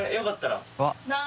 何？